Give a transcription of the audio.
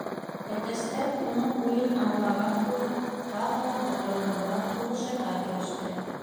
Әтәстәр, уның уйын аңлаған кеүек, тағы ла ҡоторонобораҡ һуғышырға кереште.